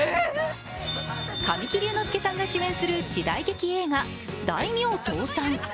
神木隆之介さんが主演する時代劇映画「大名倒産」。